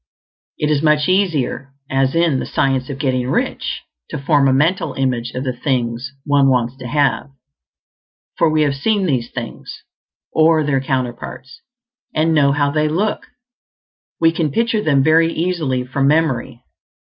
It is much easier, as in "The Science of Getting Rich," to form a mental image of the things one wants to have; for we have seen these things, or their counterparts, and know how they look; we can picture them very easily from memory.